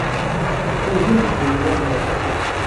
Ad gen deg-wen laman.